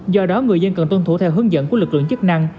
do đó người dân cần tuân thủ theo hướng dẫn của lực lượng chức năng